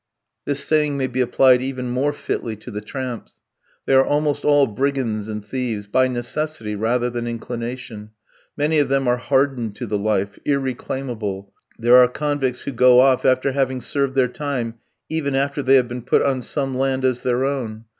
This saying may be applied even more fitly to the tramps. They are almost all brigands and thieves, by necessity rather than inclination. Many of them are hardened to the life, irreclaimable; there are convicts who go off after having served their time, even after they have been put on some land as their own.